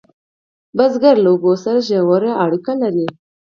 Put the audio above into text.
بزګر له اوبو سره ژوره اړیکه لري